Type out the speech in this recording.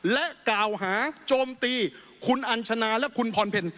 และกล่าวหาโจมตีคุณอัญชนาและคุณพรเพล